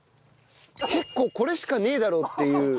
結構これしかねえだろうっていう。